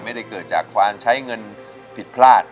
ไม่ได้เกิดจากความใช้เงินผิดพลาด